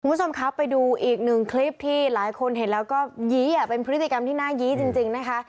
คุณผู้ชมครับไปดูอีกหนึ่งคลิปที่หลายคนเห็นแล้วก็ยี้เป็นพฤติกรรมที่น่ายี้จริงนะคะ